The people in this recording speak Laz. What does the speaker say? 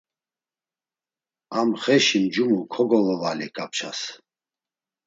A mxeşi ncumu kogovovali kapças.